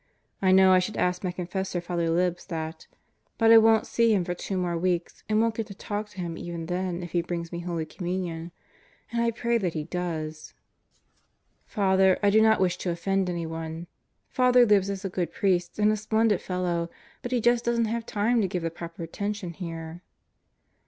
I know I should ask my confessor Father Libs that; but I won't see him for two more weeks and won't get to talk to him even then if he brings me Holy Communion and I pray that he does that! 146 God Goes to Murderer's Row Father, I do not wish to offend anyone Father Libs is a good priest and a splendid fellow, but he just doesn't have time to give the proper attention here.